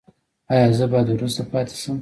ایا زه باید وروسته پاتې شم؟